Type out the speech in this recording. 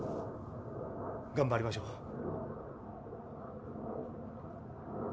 頑張りましょう。